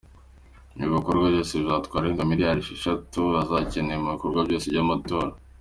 Ibi bikorwa byose bizatwara arenga miliyari esheshatu azakenerwa mu bikorwa byose by’amatora.